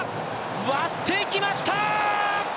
割っていきました！